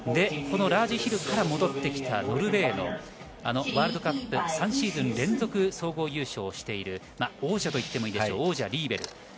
このラージヒルから戻ってきたノルウェーのワールドカップを３シーズン連続総合優勝している王者、リーベル。